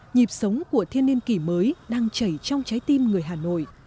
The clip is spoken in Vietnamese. nhịp sống của thiên niên kỷ mới đang chảy trong trái tim người hà nội